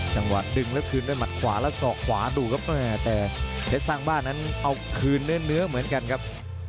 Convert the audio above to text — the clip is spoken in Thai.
จังหวะดึงแล้วคืนด้วยหมัดขวาและศอกขวาดูครับแต่เพชรสร้างบ้านนั้นเอาคืนเนื้อเหมือนกันครับ